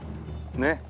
ねっ。